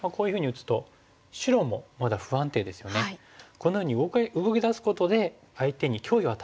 このように動き出すことで相手に脅威を与える。